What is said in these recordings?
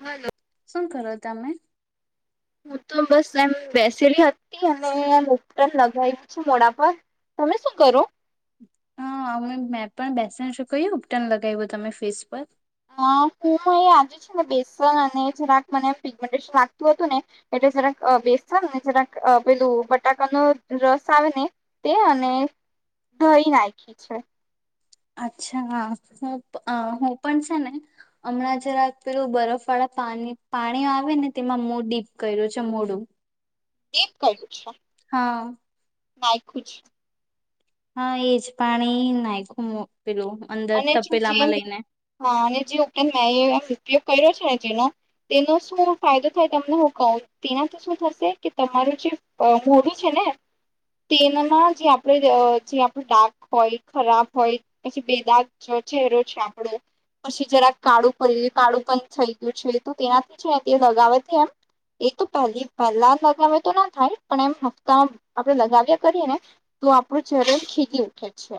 Hello. શું કરો તમે? હું તો બસ એમ બેસેલી હતી અને ઉપટન લગાવલી છું મોડા પર તમે શું કરો? હા અમે મે પણ બેસી શકોએ ઉપટન લગાવ્યું તમે ફેસ પર. હ હું આજે છે ને બેસન અને જરાક મને ફિગમેન્ટેશન લાગતું હતું ને એ ટલે જરાક બેસન જરાક પેલું બટાકાનો રસ આવે ને તે અને દઈ નાખી છે. અચ્છા હા હું અ હું પણ છે ને હમણાં જરાક પેલું બરફ વાળા પા પાણી આવે ને તેમાં મો ડીપ કર્યું છે મોડું. એ કઈ છ. હા નાય્ ખુંજ હા એજ પાણી નાય્ખુ અને જે હા અને જે ઉકેરાંત મે એ [unintelligible] ઉપયોગ કર્યો છે ને જેનો તેનો શું ફાયદો થાય તમને હું કહું તેનાથી શું થશે કે તમા મારું જે મોર છે ને [unintelligible] તેનામાં જે આપણે જે આપડ ડા્ક હોય ખરાબ હોય પછી ચરો છે આપડો પછી જરાક કાળું કરી કાળું પણ થઈ ગયું છે તો તેનાથી છે તે લગાવે એમ એ તો પહેલી પહેલા લગાવ્યા તો ના થાય પણ એમ હપ્તા આપણેે લગાવ્યા કરીએ ને તો આપનુ ચરન્ ખેચિ ઉઠે છે.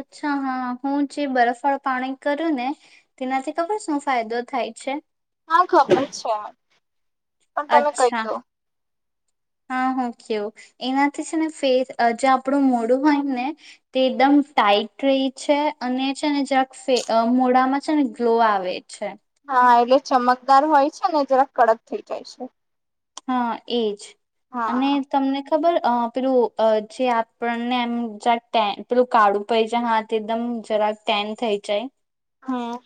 અચ્છા હા હું જે બરફ વાળા પાણી કરું ને તેનાથી ખબર શું ફાયદો થાય છે. હા ખબર છે પણ તમે કઈ અચ્છા દઉ હા હ કેવ એનાથી છે ને ફેર જે આપણું મોડું હોય ને તે એકદમ લઇટ રહી છે અને છે ને જરાક મોડામાં છે ને ગ્લો આવે છે. હા એટલે ચમકદાર હોય છે ને જરા કડક થઈ જાય છે. હા એજ અને હા તમને ખબર પેલું જે આપણને એમ પેલું કાળું પડી જાય હા એકદમ જરાક ટેન થઇ જાય. હા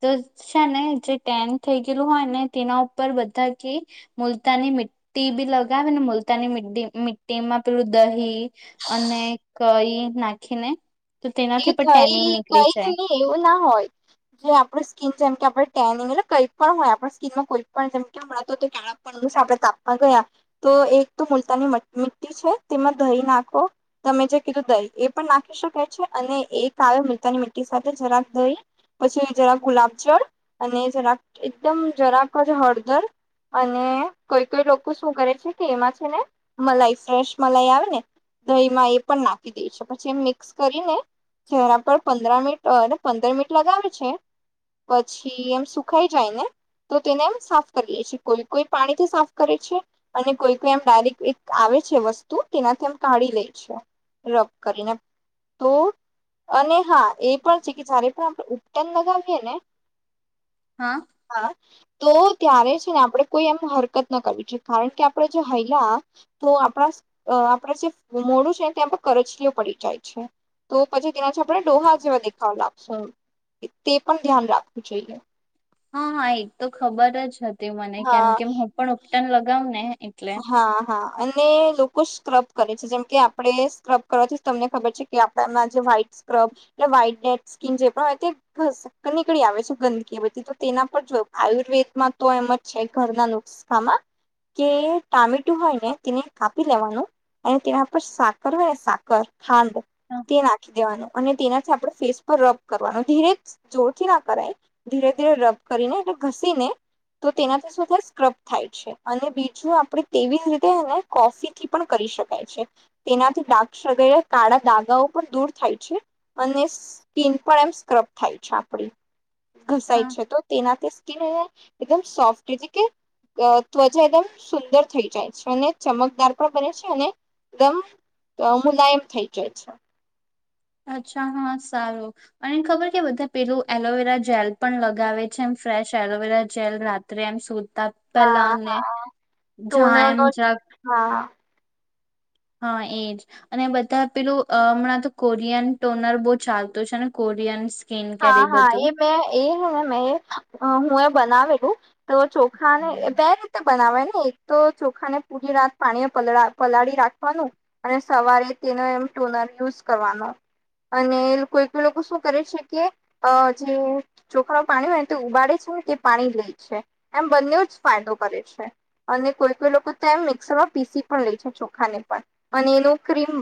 તો છે ને જે ટાઈમ થઈ ગયેલું હોય ને તેના ઉપર બધા કે મુલતાની મી્ટી બી લગાવે ને મુલતાની મ મી્ટી માં પેલું દહી અને કઈ નાખીને તો તેનાથી એવું પણ ટેનિંગ થઈ નીકળી કઈ છે જાય નને એવું ના હોય જે આપડ સ્કીન જેમ કે આપણે ટેનિંગ એટલે કઈ પણ હોય આપ સ્કીિનમાં કોઈ પણ જેમ કેણાં તો ક્યા છે આપણે તાપમાન ગયા તો એક તો મુલતાની મીતિ છો તેમાં દહી નાખો તમે જે કીધું દહી એ પણ નાખી શકાય છે. અને એક આવે મીતાની મીતિ સાથે જરાક દહી પછી જરાક ગુલાબ જળ અને જક એકદમ જરાક છે હળદર અને કોઈ કોઈ લોકો શું કરે છે કે એમાં છે ને મલાઈ ફ્રેશ મલાઈ આવે ને દહી માં એ પણ નાખી દે છે પછી એ મિક્સ કરીને ચહેરા પર પંદરા મિનિટ પંદર મિનિટ લગાવે છે. પછી એમ સુખાઈ જાય ને તો તેને એમ સાફ કરીએે છે કોઈ કોઈ પાણીથી સાફ કરે છે અને કોઈ કોઈ એમ ડાયરેક્ટ આવે છે વસ્તુ તેનાથીમ કાઢી લે છે રબ કરીને તો અને હા એ પણ છે કે જારે પણ આપણે ઉટન લગાવીએે ને હા હા. તો ત્યારે છે ને આપડણે કોઈ એમ હરકત ના કરવી છે કારણ કે આપણે જો હૈલા તો આપણા અ આપડે જે મોડું છેને ત્યાં કરછલીઓ પડી જાય છે. તો પછી તેનાથી આપણે ડોહા જેવા દેખાવ લાવશું તે પણ ધ્યાન રાખવું જોઈએ હા હા એક તો ખબર જ હતી મને કેમ હા કે હું પણ ઉપટન લગાવ ને એટલે હા હા અને લોકો સ્ક્રબ કરે છે જેમ કે આપડે સ્ક્રબ કરવાથી તમને ખબર છે કે આપડામાં જે વ્હાઈટ સ્ક્રબ એટલે વ્હાઈટ ડે સ્કીન જે પણય નીકળી આવે છે ગંદકી બધી તો તેના પર આયુર્વેદમાં તો એમ જ છે ઘરના નુસ્ખામાં કે ટામેટું હોય ને તેને કાપી લેવાનું અને તેના પર સાકર હોય ને સાકર ખાંડ હા તે નખિ દેવાનું અને તેનાથી આપણે ફેસ પર રબ કરવાનું ધીરે જોરથી ના કરાય ધીરે ધીરે રબ કરીને એટલે ઘસી ને તો તેનાથીધ સ્ક્રબ થાય છે અને બીજું આપ તેવી જ રીતે એને કોફીથી પણ કરી શકાય છે તેનાથી ડાગરે કાળા દાગ્ પણ દૂર થાય છે અને સ્કીન પણ એમ સ્ક્રબ થાય છે આપડી ઘસાય હા છે તો તેનાથી મ સોફ એટલે કે ત્વચા એકદમ સુંદર થઈ જાય છે અને ચમકદાર પણ બને છે અને એકદમ તો મુલાયમ એમ થઇ જાય છે અચ્છા હા સારું અને ખબર કે બધા પેલું એલોવેરા જેલ પણ લગાવે છે એમ ફ્રેશ એલોવેરા જેલ રાત્રે એમ સુતા પહેલા હા અને હા ટોનર નો [unintelligible] હા હા એજ અને બધા પેલું હમણાં તો કોરિયન ટોનર બહુ ચાલતું છે ને ઓડિન્સ હા હા એ મેં એ ને મેં હું એ બનાવેલું તો ચોખા ને બે રીતે બનાવા ને એક તો ચોખાને પૂરી રાત પાણી પલાળી રાખવાનું અને સવારે એમ ટોનર યુઝ કરવાનો અને કોઈ કોઈ શું કરે છે કે અ જે ચોખા પાણી હોય ને તો ઉબાડે છે ને તે પાણી લે છે એમ બંને જ ફાયદો કરે છે અને કોઈ કોઈ લોકો મિક્સર માં પીસી પણ લે છે ચોખાને પણ એનું ક્રીમ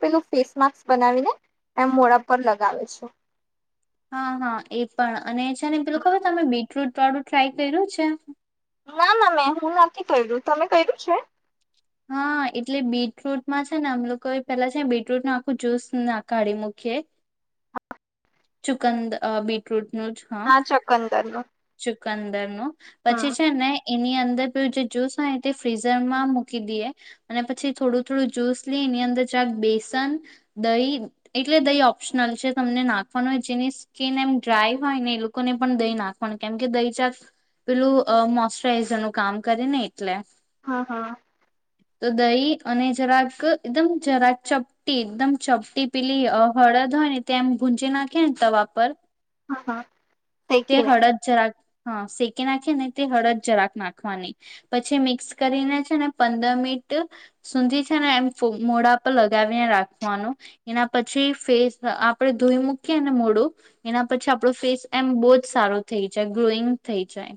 પેલું ફેસ માસ્ક બનાવીને એમ મોડા પર લગાવે છે હા હા એ પણ અને છે ને પેલું ખબર તમે બીટરૂટ વાળું ટ્રાય કર્યું છે ના ના મેં હું નથી કર્યું તમે કર્યું છે હા એટલે બીટરૂટમાં છે ને આમ લોકો પેલા છે બીટરૂટ ન આખું જ્યુસ ના કાઢી મૂકી નાખીયે ચુકંદ બીટરૂટ હા ચકંદર નું ચકંદર નું પછી હમ છે ને એની અંદર પેલું જે જ્યુસ હોય તે ફ્રીઝર માં મૂકી દઈએ અને પછી થોડું થોડું જ્યુસ લઈ એની અંદર જક બેસન દહી એટલે દહી ઓપ્શનલ છે તમને નાખવાનો જેની કેને એમ ડ્રાય હોય ને એ લોકો ને પણ દઈ નાખે કેમ કે દહી ચાક પેલું મોશચરાઈઝર નું કામ કરેને હા હા તો દહી અને જરાક એકદમ જરાક ચપટી એકદમ ચપટી પીલી હળદ તેમ ગૂંજી નાખે ને તવા પર હા હા તે હળદ જરાક હા શેકી નાખી ને તે હળદ જરાક નાખવાની પછી મિક્સ કરીને છે ને પંદર મિનિટ સુંંધી છે ને એમ મોડા પર લગાવીને રાખવાનું એના પછી ફેસ આપડણે ધોઈ મૂકીએ ને મોડું એના પછી આપડો ફેસ એમ બહુ જ સારું થઈ જાય ગ્રોઈંગ થઈ જાય.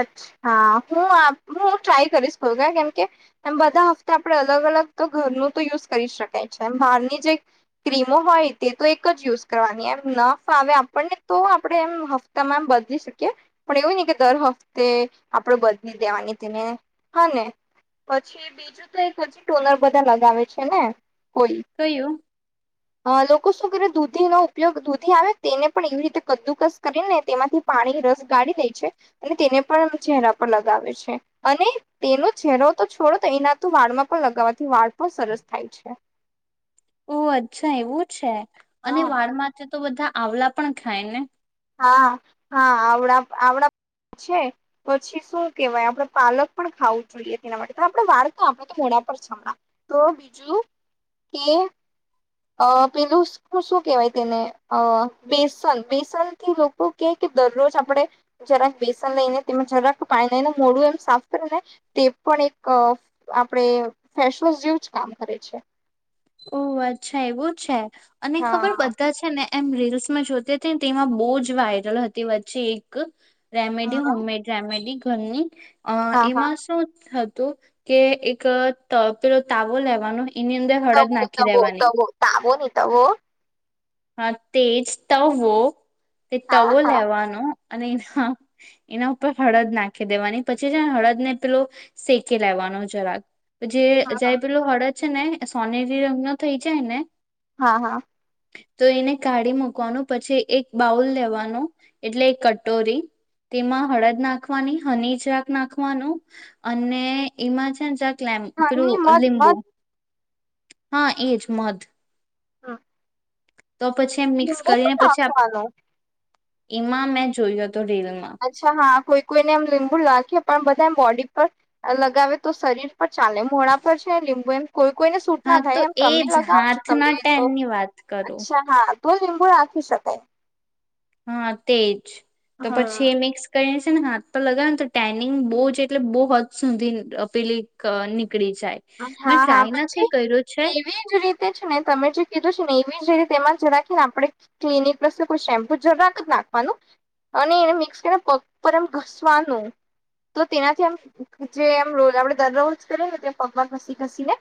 અચ્છા હું આખું ટ્રાય કરીશ કેમ કેમ બધા હપ્તા આપડે અલગ અલગ ઘરનું તો યુઝ કરી શકાય છે બહારની જે ક્રીમો હોય તે તો એક જ યુઝ કરવા એમ ન ફાવે આપણને તો આપડે એમ હપ્તા એમ બદલી શકીએ પણ એવું નઈ કે દર વખત તે આપણેે બદલી દેવાની તેને હા ને પછી બીજું તો એક પછી ટોલર બધા લગાવે છે ને. કોઈ કયું. અ લોકો શું કરે દૂધી નો ઉપયોગ દૂધી આવે તેને પણ એવી રીતે કદુ ક્રશ કરીને તેમાંથી પાણી રસ કાઢી દે છે. અને તેને પણ ચહેરા પર લગાવે છે અને તેનો ચહેરો તો છોડો તો એના તો વાળમાં પણ લગાવવાથી વાળ પણ સરસ થાય છે. ઓ અચ્છા એવું છે. અને હા. વાળ માટે તો બધા આવલા પણ ખાય ને. હા હા આવડા આવડા છે પછી શું કેવાય આપડે પાલક પણ ખાવું જોઈએ તેના માટે તો આપડે વારતા આપડે થોડા ઉપર છે હમણા તો બીજું કે અ પેલું શું શું કેહેવાય તેને અ બેસન બેસન લોકો કે કે દરરોજ આપડણે જરાક બેસન લઈને તેમાં જરાક પાણી લઈને મોડું એમ સાફ ને તે પણ એક આપણેે ફેશવોશ જેવું જ કામ કરે છે. ઓહ અચ્છા એવું છે અને ખબર હા. બધા છે ને એમ રીલ્સમાં જોતી હતીને તેમાં બહુ જ વાયરલ હતી વચ્ચે એક રેમેડી હા હોમમેડ રેમેડી ઘરની અ હા હા એમાં શું થતુ તો કે એક પેલો તાવલો લેવાનો એની અંદર હળદ તવો નાખી તવો દેવાની તવો તાવો નહી તવો હો. હા તેજ તવો તે હા તવો હા. લેવાનો અને એના એના ઉપર હળદ નાખી દેવાની પછી જ હળદ ને પેલો શેકી લેવાનું મા જરાક જે જાય પેલું હળદ છે ને સોનરી રગ્ન થઈ જાય ને હા-હા. તો એને કાઢી મુકવાનું પછી એક બાઉલ લેવાનું એટલે એક કટોરી તેમાં હળદ નાખવાની હનીજાક નાખવાનું અને એમાં છે ક કૈમ હા પેલુ ની મધ લીંબુ મધ હા એજ મધ હા. તો પછી મિક્સ કરીને પછી નાખવાનું. [inaudible] એમાં મેં જોયું હતું. અચ્છા હા કોઈ કોઈને લીંબુ લાગે. પણ બધા એમ બોડી પર લગાવે તો શરીર પર ચાલે મોડા પર છે લીંબુ એમ કોઈ કોઈને સૂટ હા ના તો થાય એમ તમે એજ લગાવો છો તમમે હાથના જો ટેનની વાત કરું અચ્છા હા. તો લીંબુ રાખી શકાય. હા તેજ તો પછી એ હમ મિક્સ કરી. ને હાથ પર લગાવે ને તો ટાનિંગ બહુ જ એટલે બહુ હદ સુધી અ પેલી કનિક પકડી જાય મેં હા હા ટ્રાય નથી પછી કર્યું છે. એવી જ રીતે છે ને તમે જે કીધું છે ને એવી જ રીતે એમાં જ રાખીને આપણે ક્લિનિક પ્લસ કોઈ શેમ્પુ જ રાખ જ ના હલો અને એને મિક્સ કરીને પગ પર એમ ઘસવાનું તો તેનાથી એમ જે એમ રોલ આપડે દર રોલ કરેને પગવા ઘસી ઘસી ને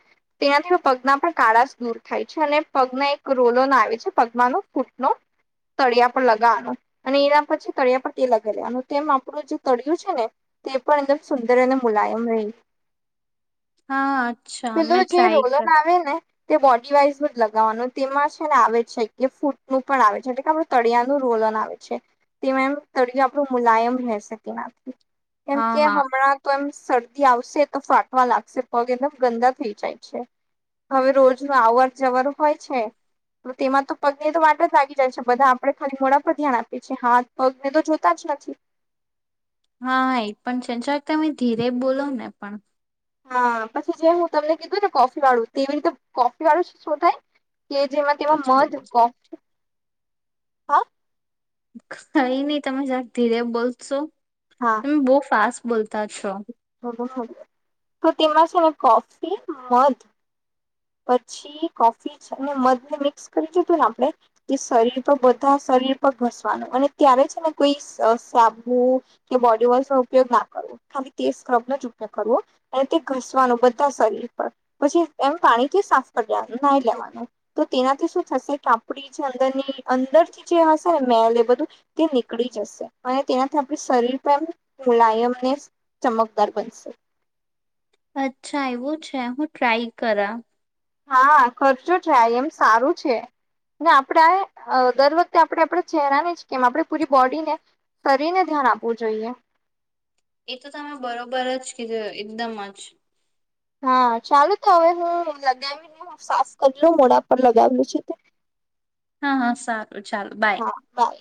તેનાથી પગના પર કાળાશ દૂર થાય છે અને પગના એક રોલોના આવે છે પગમાંનો ફૂટનો તળિયા પર લગાવવાનું અને એના પછી તળિયા પર તે લગાવી લેવાનું તેમ આપણું જે તળિયું છે ને તે પણ એકદમ સુંદર અને મુલાયમ રહી હા અચ્છા પેલું મેં જે ટ્રાય રોલન કર આવે ને તે બોડી વાઈઝ બધુ જ લગાવવાનું તેમાં છે ને આવે છે કે ફૂટનું પણ આવે છે એટલે કે આપડે તળિયા નું રોલર અના આવે છે તેમ તળ આપણું મુલાયમ રહેશે તેનાથી કેમ હા કે હા હમણાં તો એમ શરદી આવશે તો ફાટવા લાગશે પગ એમ ગંદા થઈ જાય છે હવે રોજ નુ આવન જવર હોય છે તો તેમાં તો પગની તો વાટ જ લાગી જાય છે બધા આપડે ખરી મોડા પર ધ્યાન આપએ છીએ હા પગને તો જોતા જ નથી હા એ પણ સંચો તમે ધીરે બોલો ને પણ હા પછી જે હું તમને કીધું ને કોફી વાળું તેવી રીતે કોફી વાળું શું થાય કે જેમાં તેમાં પછી મજ બોલ કોફ હા કઈ નહી તમે જક ધીરે બોલશો હા તમે બહુ ફાસ્ટ બોલ તો તેમાં છે ને કોફી મધ પછી કોફી છે મધને મિક્સ કરી જોતું ને આપે કે શરીર તો બધા શરીર પર ઘસવાનું અને ત્યારે છે ને કોઈ શાંબુ કે બોડી વોશ નો ઉપયોગ ના કરવો ખાલી તે સ્ક્રબ ન ઉપયો કરવો અને તે ઘસવાનો બધા શરીર પર પછી એમ પાણી થી સાફ કરી દે લેવાનું તો નાઈ લેવાનુ તો તેના થી શુ થશે કે આપડી જે અંદરની અંદરથી જે હસે ને મેલ એ બધું તે નીકળી જશે અને તેનાથી આપ શરીર પણ મુલાાયમને ચમકદાર બનશે અચ્છા એવું છે હું ટ્રાય કરા હા ખર્ચો જાય એમ સારું છે ને આપણેે આ દર વખતે આપણે આપડા ચહેરાની જ કેમ આપણે પૂરી બોડીને કરીને ધ્યાન આપવું જોઈએ એ તો તમે બરોબર જ કિધું એકદમ જ હા ચાલુ તો હવે હું લગાવી સાફ કરીલ મોડા પર લગાવેલું છે હા હા સારું ચાલું બાય હા બાય